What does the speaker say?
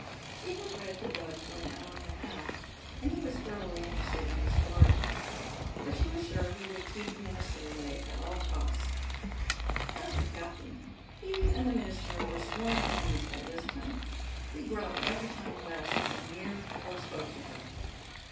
She had read to Bud for an hour and a half, and he was thoroughly interested in the story; but she was sure he would keep the minister away at all costs. As for Captain, he and the minister were sworn enemies by this time. He growled every time West came near or spoke to her.